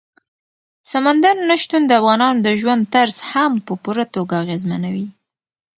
سمندر نه شتون د افغانانو د ژوند طرز هم په پوره توګه اغېزمنوي.